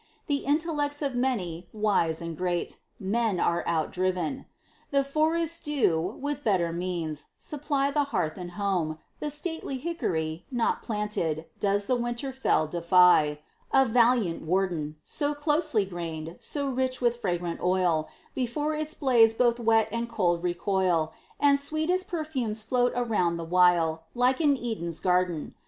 The intellects of many, wise and great, Men are out driven. The forests do, with better means, supply The hearth and house; the stately hickory, Not planted, does the winter fell defy, A valiant warden; So closely grained, so rich with fragrant oil, Before its blaze both wet and cold recoil; And sweetest perfumes float around the while, Like 'n Eden's garden.